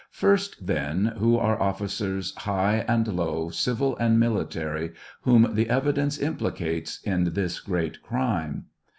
First, then, who are officers, high and low, civil and military, whom the evidence implicates in this great crime